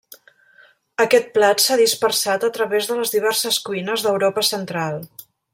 Aquest plat s'ha dispersat a través de les diverses cuines d'Europa Central.